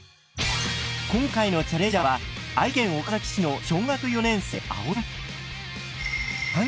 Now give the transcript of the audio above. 今回のチャレンジャーは愛知県岡崎市の小学４年生あおいくん。